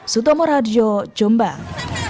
suto moradjo jombang